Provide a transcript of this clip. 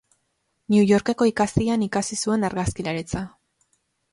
New Yorkeko ikastegian ikasi zuen argazkilaritza.